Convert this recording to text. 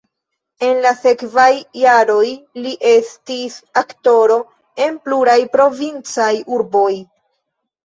En la sekvaj jaroj li estis aktoro en pluraj provincaj urboj.